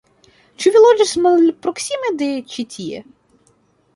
Ĉu vi loĝas malproksime de ĉi tie?